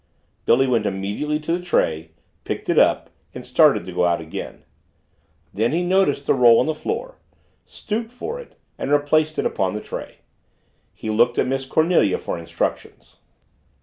Billy went immediately to the tray, picked it up, and started to go out again. Then he noticed the roll on the floor, stooped for it, and replaced it upon the tray. He looked at Miss Cornelia for instructions.